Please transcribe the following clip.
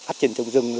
phát triển trồng rừng